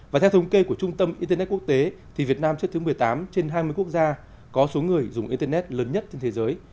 và theo thống kê của trung tâm internet quốc tế thì việt nam xếp thứ một mươi tám trên hai mươi quốc gia có số người dùng internet lớn nhất trên thế giới